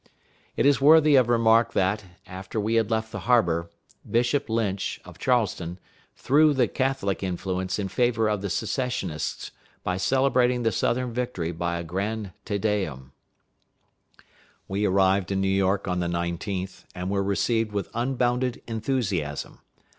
It is worthy of remark that, after we had left the harbor, Bishop Lynch, of Charleston, threw the Catholic influence in favor of the Secessionists by celebrating the Southern victory by a grand Te Deum. We arrived in New York on the 19th, and were received with unbounded enthusiasm.